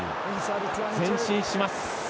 前進します。